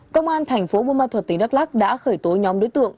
công an thành phố burma thuật tỉnh đắk lắc đã khởi tố nhóm đối tượng